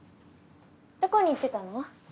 どこに行ってたの？